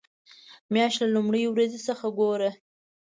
مياشت له لومړۍ ورځې څخه ګوره.